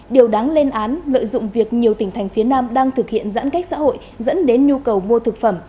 điều đáng lên án lợi dụng việc nhiều tỉnh thành phía nam đang thực hiện giãn cách xã hội dẫn đến nhu cầu mua thực phẩm